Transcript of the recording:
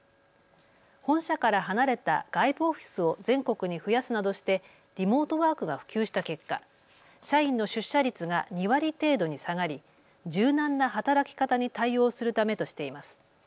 本社から離れた外部オフィスを全国に増やすなどしてリモートワークが普及した結果、社員の出社率が２割程度に下がり柔軟な働き方に対応するためとしています。